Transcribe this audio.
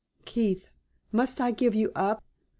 Keith, must I give you up?